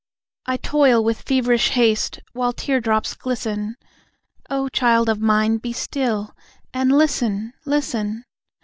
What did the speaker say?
I toil with feverish haste, while tear drops glisten, (O, child of mine, be still. And listen listen!)